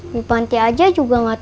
bupanti aja juga sama aku aja